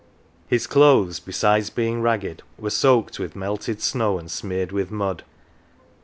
His clothes, besides being ragged, were soaked with melted snow and smeared with mud.